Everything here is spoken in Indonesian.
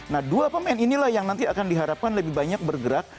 nah dua pemain inilah yang nanti akan diharapkan lebih banyak bergerak